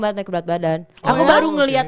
banget naik ke berat badan aku baru ngeliat